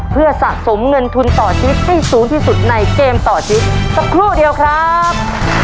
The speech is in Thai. เพื่อสะสมเงินทุนต่อชีวิตให้สูงที่สุดในเกมต่อชีวิตสักครู่เดียวครับ